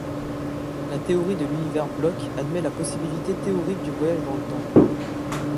La théorie de l'Univers-bloc admet la possibilité théorique du voyage dans le temps.